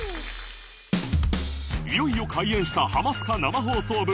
いよいよ開演した「ハマスカ生放送部」